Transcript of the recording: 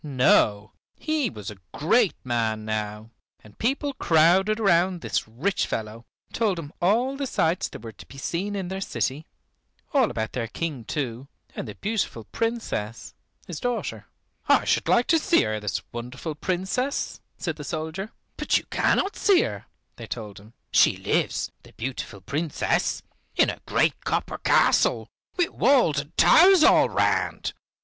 No, he was a great man now, and people crowded round this rich fellow, told him all the sights there were to be seen in their city, all about their King too, and the beautiful Princess, his daughter. "I should like to see her, this wonderful Princess," said the soldier. "But you cannot see her," they told him. "She lives, the beautiful Princess, in a great copper castle, with walls and towers all round.